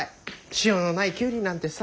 塩のないキュウリなんてさ。